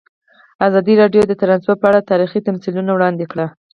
ازادي راډیو د ترانسپورټ په اړه تاریخي تمثیلونه وړاندې کړي.